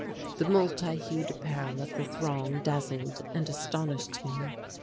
The multi hued apparel of the throng dazzled and astonished me.